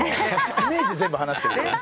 イメージで全部話してるので。